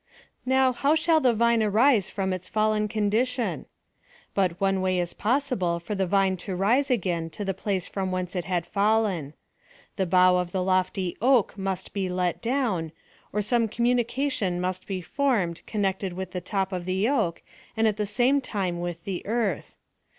Now, how shall the vine arise from us fallen condi tion ? But one way is possible for the vine to rise again to the place from whence it had fallen. The bough of the loiiy oak must be let down, or some communicatio 1 must bo formed connected with the 186 PHILOSOPHY OF THE top 01 the oak and at the same time with the earth.